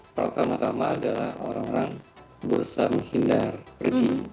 pertama tama adalah orang orang berusaha menghindar pergi